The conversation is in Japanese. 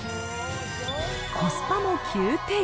コスパも９点。